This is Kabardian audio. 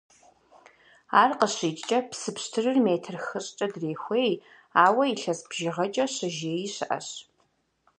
Ар къыщикӀкӀэ, псы пщтырыр метр хыщӏкӀэ дрехуей, ауэ илъэс бжыгъэкӀэ «щыжеи» щыӀэщ.